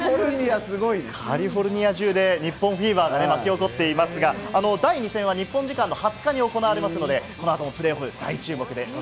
カリフォルニア中で日本フィーバーが巻き起こっていますが、第２戦は日本時間２０日に行われますので、プレーオフも大注目です。